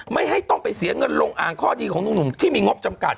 ไม่ให้ต้องไปเสียเงินลงอ่างข้อดีของหนุ่มที่มีงบจำกัด